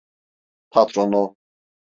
Patron o.